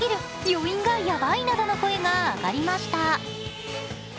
余韻がやばいなどの声が上がりました。